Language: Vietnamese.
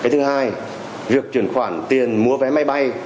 thứ hai việc chuyển khoản tiền mua vé máy bay